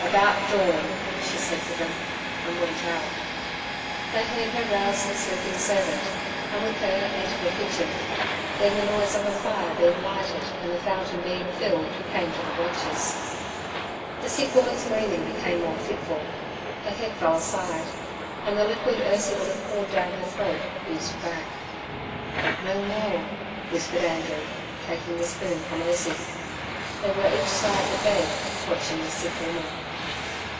'About dawn' she said to them, and went out. They heard her rouse the sleeping servant, and with her enter the kitchen; then the noise of a fire being lighted and the fountain being filled came to the watchers. The sick woman's breathing became more fitful. Her head fell aside, and the liquid Ursie would have poured down her throat oozed back. 'No more' whispered Andrew, taking the spoon from Ursie. They were each side the bed, watching the sick woman.